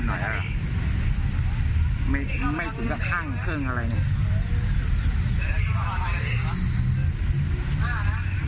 สติขึ้นหน่อยหน่อยไม่ไม่ถึงกระทั่งเครื่องอะไรอย่างนั้น